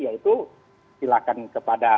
yaitu silahkan kepada